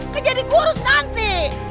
kan jadi kurus nanti